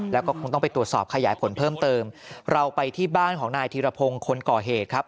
แล้วก็คงต้องไปตรวจสอบขยายผลเพิ่มเติมเราไปที่บ้านของนายธีรพงศ์คนก่อเหตุครับ